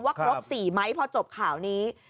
ครบ๔ไหมพอจบข่าวนี้